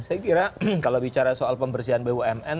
saya kira kalau bicara soal pembersihan bumn